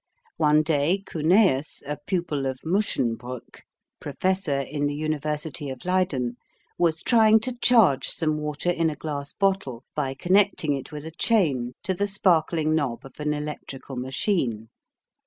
One day Cuneus, a pupil of Muschenbroeck, professor in the University of Leyden, was trying to charge some water in a glass bottle by connecting it with a chain to the sparkling knob of an electrical machine.